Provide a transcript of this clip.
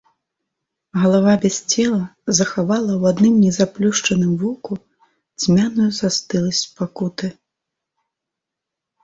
Галава без цела захавала ў адным незаплюшчаным воку цьмяную застыласць пакуты.